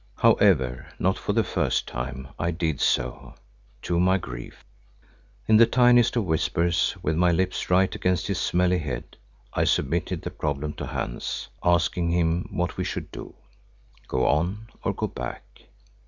However, not for the first time, I did so—to my grief. In the tiniest of whispers with my lips right against his smelly head, I submitted the problem to Hans, asking him what we should do, go on or go back.